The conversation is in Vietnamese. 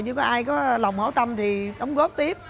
nếu có ai có lòng hỗ tâm thì đóng góp tiếp